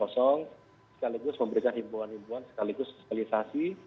sekaligus memberikan himpuan himpuan sekaligus spesialisasi